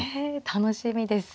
楽しみです。